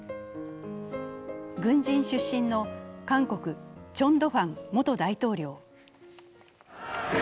軍人出身の韓国、チョン・ドゥファン元大統領。